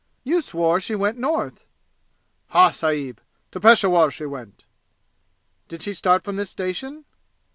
"You swore she went North!" "Ha, sahib! To Peshawur she went!" "Did she start from this station?"